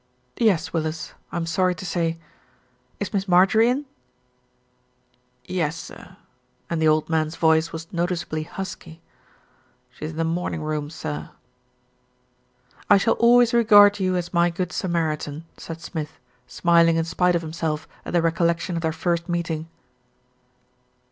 "Yes, Willis, I'm sorry to say. Is Miss Mar jorie in?" "Yes, sir," and the old man's voice was noticeably husky. "She's in the morning room, sir." "I shall always regard you as my good Samaritan," said Smith, smiling in spite of himself at the recollection of their first meeting.